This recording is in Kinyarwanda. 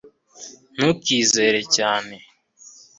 ntukizere cyane